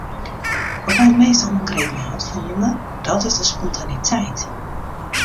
Wat my it meast oangrepen hat fan jimme dat is de spontaniteit.